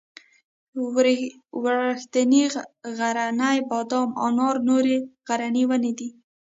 وړښتی غرنی بادام انار نورې غرنۍ ونې دي.